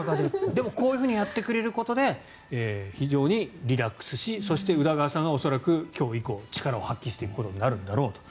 でも、こうやってくれることで非常にリラックスしそして、宇田川さんは恐らく今日以降力を発揮していくことになるんだろうと。